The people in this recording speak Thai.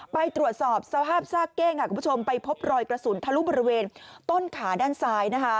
ไปตรวจสอบสภาพซากเก้งค่ะคุณผู้ชมไปพบรอยกระสุนทะลุบริเวณต้นขาด้านซ้าย